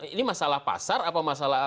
ini masalah pasar apa masalah